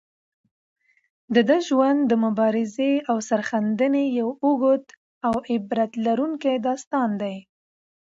د ده ژوند د مبارزې او سرښندنې یو اوږد او عبرت لرونکی داستان دی.